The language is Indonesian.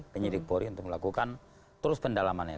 penyidik polri untuk melakukan terus pendalamannya